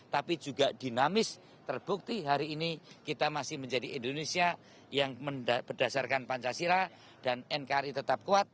tapi juga dinamis terbukti hari ini kita masih menjadi indonesia yang berdasarkan pancasila dan nkri tetap kuat